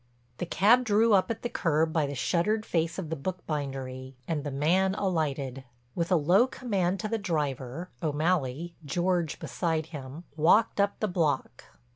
The cab drew up at the curb by the shuttered face of the book bindery and the man alighted. With a low command to the driver, O'Malley, George beside him, walked up the block.